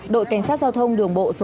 đội cảnh sát giao thông đường bộ số hai